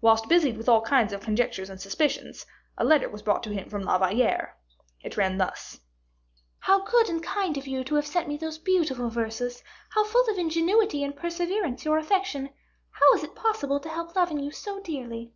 Whilst busied with all kinds of conjectures and suspicions, a letter was brought to him from La Valliere; it ran thus: "How good and kind of you to have sent me those beautiful verses; how full of ingenuity and perseverance your affection is; how is it possible to help loving you so dearly!"